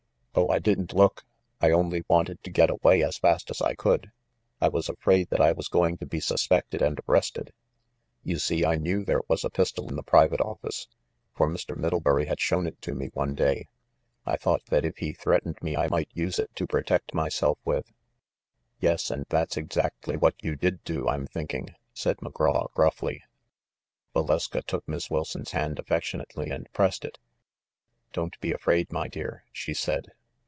"Oh, I didn't look! I only wanted to get away as fast as I could. I was afraid that I was going to be suspected and arrested. You see, I knew there was a pistol in the private office, for Mr. Middlebury had shown it to me one day. I thought that if he threat ened me I might use it to protect myself with." "Yes, and that's exactly what you did do, I'm think ing," said McGraw gruffly. Valeska took Miss Wilson's hand affectionately and pressed it. "Don't be afraid, my dear," she said.